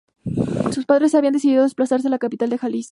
Sus padres habían decidido desplazarse a la capital de Jalisco.